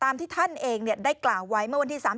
ตามที่ท่านเองเนี่ยได้กล่าวไว้เมื่อวันที